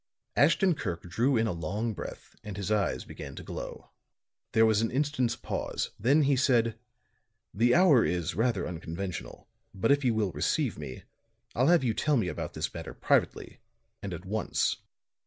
Ashton Kirk drew in a long breath and his eyes began to glow. There was an instant's pause, then he said: "The hour is rather unconventional; but if you will receive me, I'll have you tell me about this matter privately and at once."